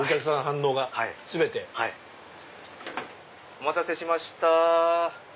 お待たせしました。